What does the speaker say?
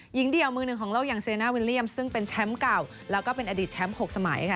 เดี่ยวมือหนึ่งของโลกอย่างเซนาวิลเลี่ยมซึ่งเป็นแชมป์เก่าแล้วก็เป็นอดีตแชมป์๖สมัยค่ะ